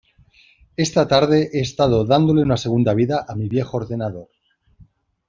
Esta tarde he estado dándole una segunda vida a mi viejo ordenador.